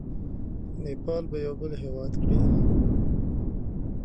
نیپال به یو بېل هیواد کړي.